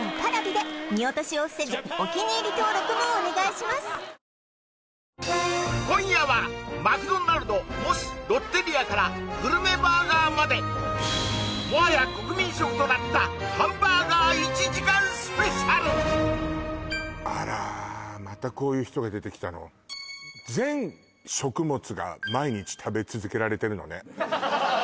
うまこれ１８日火曜よる８時今夜はマクドナルドモスロッテリアからグルメバーガーまでもはや国民食となったあらまたこういう人が出てきたの全食物が毎日食べ続けられてるのね